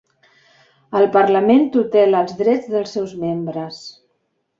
El parlament tutela els drets dels seus membres